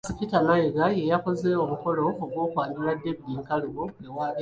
Katikkiro Charles Peter Mayiga ye yakoze omukolo gw’okwanjula David Nkalubo ewa Beene.